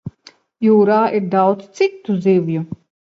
Jūrā ir daudz citu zivju.